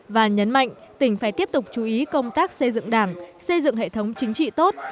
và nhấn mạnh tỉnh phải tiếp tục chú ý công tác xây dựng đảng xây dựng hệ thống chính trị tốt